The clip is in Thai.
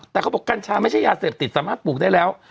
แต่เขาบอกกัญชาไม่ใช่ยาเสพติดสามารถปลูกได้แล้ว